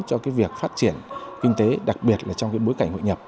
cho việc phát triển kinh tế đặc biệt là trong bối cảnh hội nhập